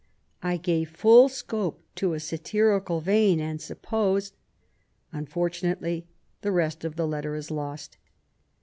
I gave full scope to a satirical vein, and suppose. ... Unfortunately, the rest of the letter is lost.